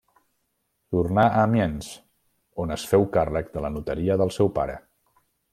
Tornà a Amiens on es féu càrrec de la notaria del seu pare.